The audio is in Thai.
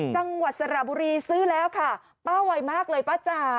จังหวัดสระบุรีซื้อแล้วค่ะป้าไวมากเลยป้าจ๋า